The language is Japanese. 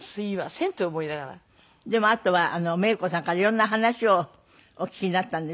でもあとはメイコさんから色んな話をお聞きになったんです？